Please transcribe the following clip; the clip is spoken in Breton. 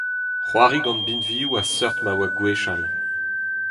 C'hoari gant binvioù a-seurt ma oa gwechall.